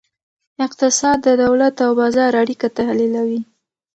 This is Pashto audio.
اقتصاد د دولت او بازار اړیکه تحلیلوي.